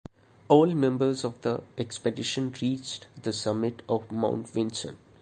All members of the expedition reached the summit of Mount Vinson.